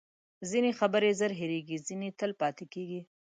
ځینې خبرې زر هیرېږي، ځینې تل پاتې کېږي.